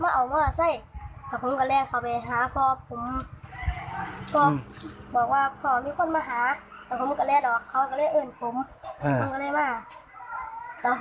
ก่อนแรกผมไม่ออกมาใช่แต่พ่อผมก็เลยเข้าไปหาพ่อผม